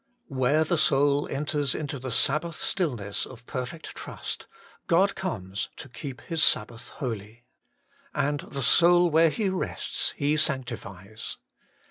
Where the soul enters into the Sabbath stillness of perfect trust, God comes to keep His Sabbath holy ; and the soul where He rests He sanctifies.